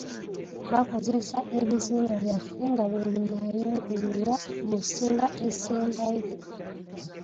Bakozesa ebizuulo byaffe nga bwe binaayungululwa mu ssuula esembayo.